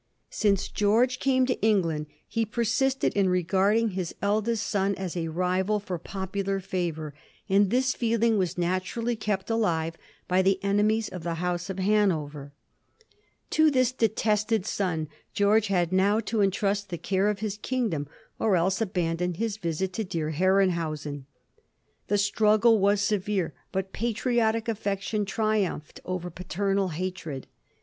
Since George came to Digiti zed by Google 1716. VISIT TO HANOVER 201 England he persisted in regarding his eldest son as a rival for popular favour, and this feeling was naturally kept alive by the enemies of the House of Hanover. To this detested son George had now to entrust the care of his kingdom, or else abandon his visit to dear Herrenhausen. The struggle was severe, but patriotic affection triumphed over paternal hatred.